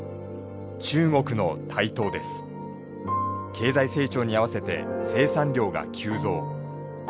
経済成長に合わせて生産量が急増。